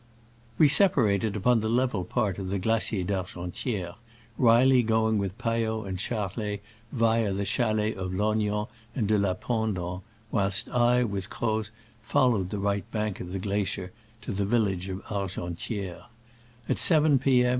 We separated upon the level part of the Glacier d'Argentiere, Reilly going with Payot and Charlet via the chalets of Lognan and de la Pendant, whilst I, with Croz, followed the right bank of the glacier to the village of Argentiere. At 7 P. M.